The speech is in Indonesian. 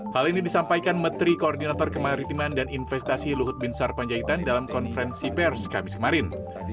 hal ini disampaikan menteri koordinator kemaritiman dan investasi luhut bin sarpanjaitan dalam konferensi pers kamis kemarin